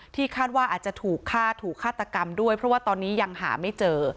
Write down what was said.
คาดว่าอาจจะถูกฆ่าถูกฆาตกรรมด้วยเพราะว่าตอนนี้ยังหาไม่เจอ